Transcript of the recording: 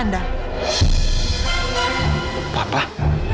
ini ayah saya bu laras